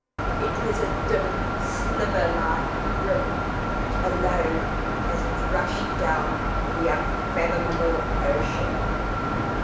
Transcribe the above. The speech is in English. It was a dim, sliver like rim, alone, as it rushed down the unfathomable ocean.